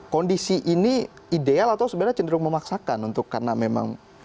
kondisi ini ideal atau sebenarnya cenderung memaksakan untuk karena memang